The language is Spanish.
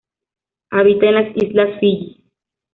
Habita en las islas Fiyi.